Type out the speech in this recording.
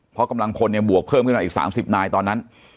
เพราะกำลังคนบวกเพิ่มกันอีก๓๐นายตอนนั้น